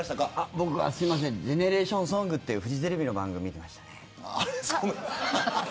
僕は、すいませんジェネレーションソングっていうフジテレビの番組見てましたね。